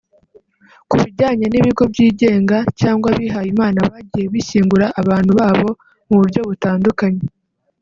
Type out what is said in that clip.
Ku bijyanye n’ibigo byigenga cyangwa abihayimana bagiye bishyingura abantu babo mu buryo butandukanye